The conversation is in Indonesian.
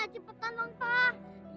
cepetan lho pak